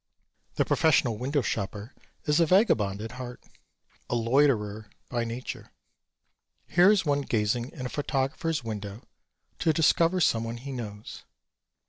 The professional window shopper is a vagabond at heart a loiterer by nature. Here is one gazing in a photographer's window to discover someone he knows.